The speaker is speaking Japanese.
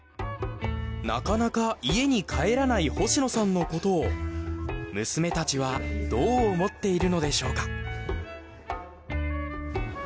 なかなか家に帰らない星野さんのことを娘たちはどう思っているのでしょうか？